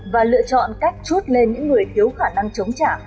và lựa chọn cách chút lên những người thiếu khả năng chống trả